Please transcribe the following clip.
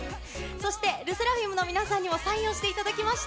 そしてＬＥＳＳＥＲＡＦＩＭの皆さんにもサインをしていただきました。